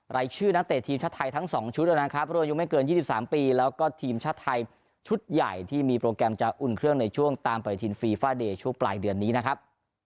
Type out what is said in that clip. รายชื่อนักเตะทีมชาติไทยทั้ง๒ชุดนะครับรวมอายุไม่เกิน๒๓ปีแล้วก็ทีมชาติไทยชุดใหญ่ที่มีโปรแกรมจะอุ่นเครื่องในช่วงตามปล่อยทีนฟีฟาเดย์ช่วงปลายเดือนนี้นะครับ